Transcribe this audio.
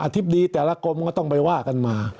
ธิบดีแต่ละกรมก็ต้องไปว่ากันมา